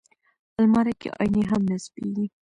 الماري کې آیینې هم نصبېږي